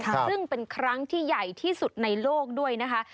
ซึ่งเป็นครั้งที่ใหญ่ที่สุดในโลกด้วยนะคะ